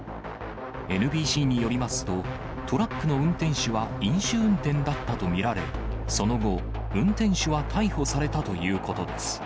ＮＢＣによりますと、トラックの運転手は飲酒運転だったと見られ、その後、運転手は逮捕されたということです。